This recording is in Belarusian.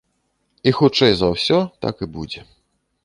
І хутчэй за ўсё, так і будзе.